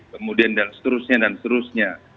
kemudian dan seterusnya dan seterusnya